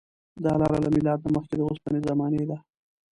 دا لاره له میلاد نه مخکې د اوسپنې زمانې ده.